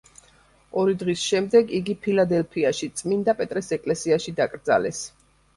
ორი დღის შემდეგ იგი ფილადელფიაში, წმინდა პეტრეს ეკლესიაში დაკრძალეს.